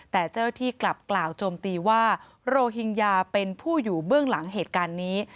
แต่เจ้าที่กลับกล่าวโจมตีว่าโรฮิงญาเป็นผู้อยู่เบื้องหลังเหตุการณ์นี้